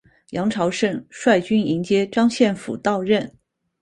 杨朝晟率军迎接张献甫到任。